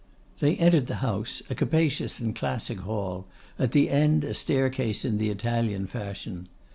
They entered the house; a capacious and classic hall, at the end a staircase in the Italian fashion.